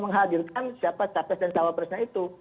menghadirkan siapa capres dan cawapresnya itu